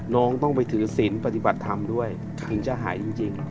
น้องต้องไปถือศิลป์ปฏิบัติธรรมด้วยถึงจะหายจริง